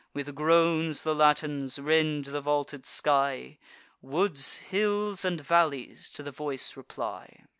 With groans the Latins rend the vaulted sky: Woods, hills, and valleys, to the voice reply.